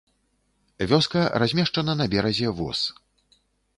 Вёска размешчана на беразе воз.